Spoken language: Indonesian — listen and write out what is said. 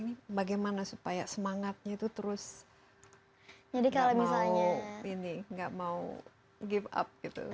ini bagaimana supaya semangatnya itu terus nggak mau give up gitu